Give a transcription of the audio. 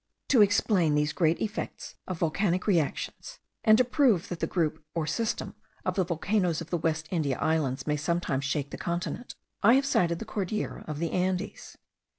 To explain these great effects of volcanic reactions, and to prove that the group or system of the volcanoes of the West India Islands may sometimes shake the continent, I have cited the Cordillera of the Andes.